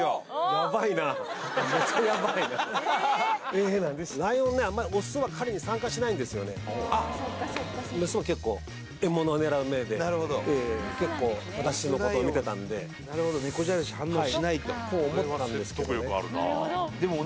ヤバいなめっちゃヤバいなハハハハハメスは結構獲物を狙う目で結構私のことを見てたんでなるほど猫じゃらし反応しないとと思ったんですけどね